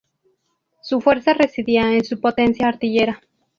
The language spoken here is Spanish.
Su fuerza residía en su potencia artillera.